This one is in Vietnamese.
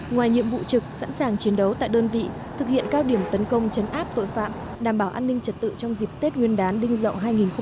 ngoài nhiệm vụ trực sẵn sàng chiến đấu tại đơn vị thực hiện cao điểm tấn công chấn áp tội phạm đảm bảo an ninh trật tự trong dịp tết nguyên đán đinh dậu hai nghìn hai mươi bốn